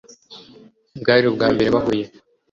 bwari ubwambere bahuye